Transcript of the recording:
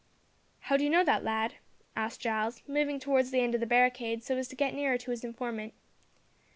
"How d'you know that, lad?" asked Giles, moving towards the end of the barricade, so as to get nearer to his informant.